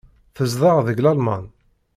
Tezdeɣ deg Lalman.